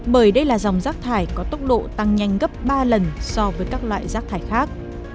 bởi đây là dòng rác thải có tốc độ tăng nhanh gấp ba lần so với các loại rác thải khác